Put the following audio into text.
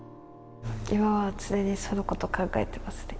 今は常にそのこと考えてますね。